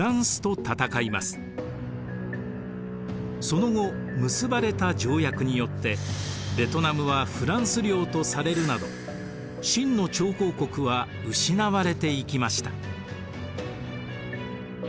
その後結ばれた条約によってベトナムはフランス領とされるなど清の朝貢国は失われていきました。